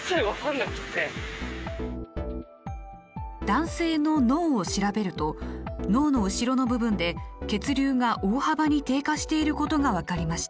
男性の脳を調べると脳の後ろの部分で血流が大幅に低下していることが分かりました。